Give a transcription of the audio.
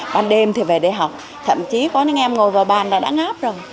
ban đêm thì về để học thậm chí có những em ngồi vào bàn đã ngáp rồi